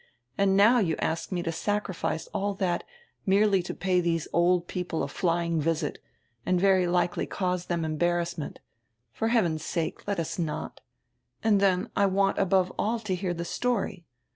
And now you ask me to sacrifice all that merely to pay these old people a flying visit and very likely cause them embarrass ment. For heaven's sake let us not. And then I want above all to hear the story.